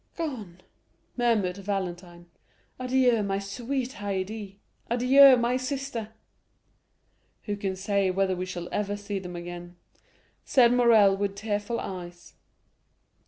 "Gone," murmured Valentine; "adieu, my sweet Haydée—adieu, my sister!" "Who can say whether we shall ever see them again?" said Morrel with tearful eyes.